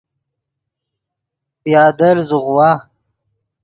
پیادل زوغوا